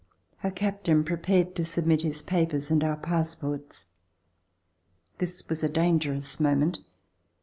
Our captain prepared to submit his papers and our pass ports. This was a dangerous moment.